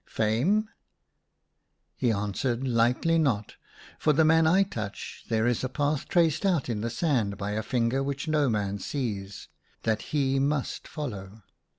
" Fame ?" He answered, " Likely not. For the man I touch there is a path traced out in the sand by a finger which no man sees. That he must follow.